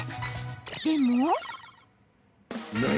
でも。